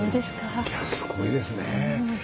すごいですね。